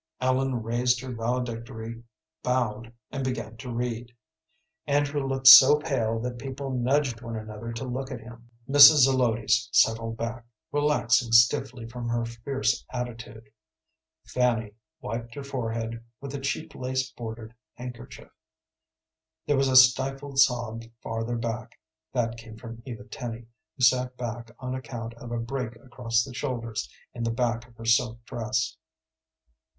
Ellen raised her valedictory, bowed, and began to read. Andrew looked so pale that people nudged one another to look at him. Mrs. Zelotes settled back, relaxing stiffly from her fierce attitude. Fanny wiped her forehead with a cheap lace bordered handkerchief. There was a stifled sob farther back, that came from Eva Tenny, who sat back on account of a break across the shoulders in the back of her silk dress.